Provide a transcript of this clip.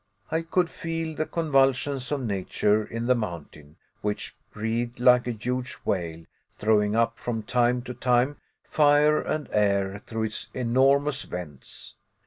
I could feel the convulsions of nature in the mountain, which breathed like a huge whale, throwing up from time to time fire and air through its enormous vents.